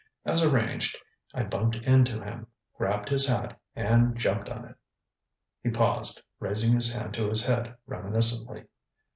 As arranged, I bumped into him, grabbed his hat and jumped on it. ŌĆØ He paused, raising his hand to his head reminiscently.